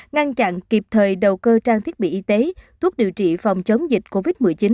ngăn chặn kịp thời đầu cơ trang thiết bị y tế thuốc điều trị phòng chống dịch covid một mươi chín